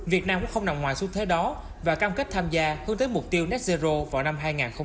việt nam cũng không nằm ngoài xu thế đó và cam kết tham gia hướng tới mục tiêu net zero vào năm hai nghìn ba mươi